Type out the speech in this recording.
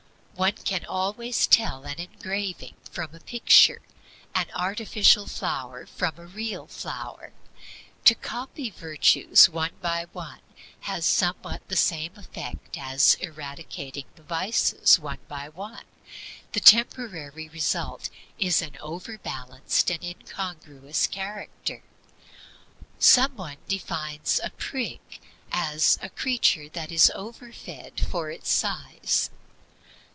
One can always tell an engraving from a picture, an artificial flower from a real flower. To copy virtues one by one has somewhat the same effect as eradicating the vices one by one; the temporary result is an overbalanced and incongruous character. Some one defines a prig as "a creature that is over fed for its size."